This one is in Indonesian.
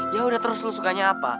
ya udah terus lu sukanya apa